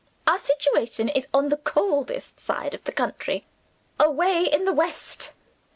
Our situation is on the coldest side of the county, away in the west.